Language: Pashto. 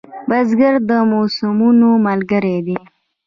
بزګر د موسمونو ملګری دی